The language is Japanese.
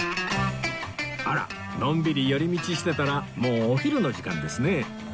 あらのんびり寄り道してたらもうお昼の時間ですね